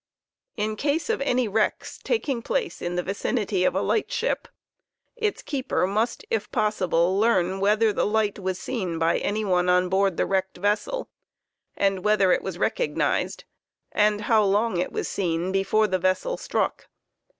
Li case of any wrecks taking place in the vicihity of a light ship, its keeper must, if possible, learn whether the light was seen by any one on board the wrecked ' vessel, and whether it was recognized, and how long it was seen before the vessel struck.